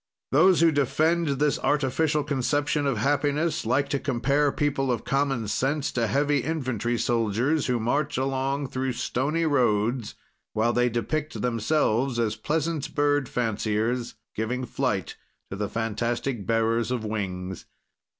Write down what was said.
"Those who defend this artificial conception of happiness, like to compare people of common sense to heavy infantry soldiers, who march along through stony roads, while they depict themselves as pleasant bird fanciers, giving flight to the fantastic bearers of wings.